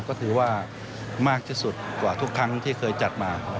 ก็ถือว่ามากที่สุดกว่าทุกครั้งที่เคยจัดมา